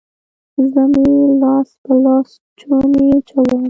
زه مې لاس په لاسوچوني وچوم